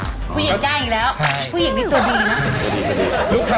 ไม่เคยค่ะ